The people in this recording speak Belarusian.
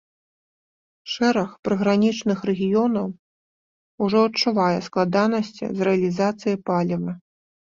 Шэраг прыгранічных рэгіёнаў ужо адчувае складанасці з рэалізацыяй паліва.